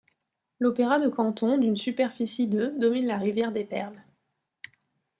L'Opéra de Canton d'une superficie de domine la rivière des Perles.